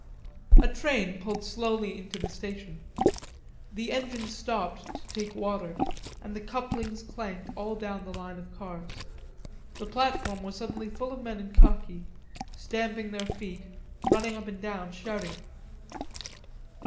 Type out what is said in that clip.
A train pulled slowly into the station. The engine stopped to take water and the couplings clanked all down the line of cars. The platform was suddenly full of men in khaki, stamping their feet, running up and down shouting.